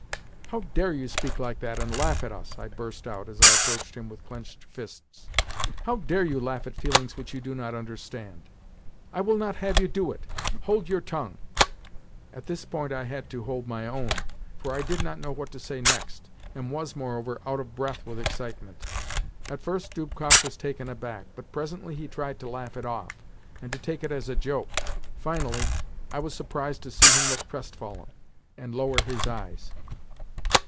"How dare you speak like that, and laugh at us?" I burst out as I approached him with clenched fists. "How dare you laugh at feelings which you do not understand? I will not have you do it! Hold your tongue!" At this point I had to hold my own, for I did not know what to say next, and was, moreover, out of breath with excitement. At first Dubkoff was taken aback, but presently he tried to laugh it off, and to take it as a joke. Finally I was surprised to see him look crestfallen, and lower his eyes.